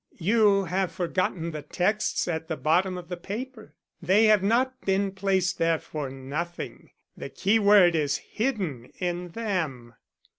You have forgotten the texts at the bottom of the paper. They have not been placed there for nothing. The keyword is hidden in them."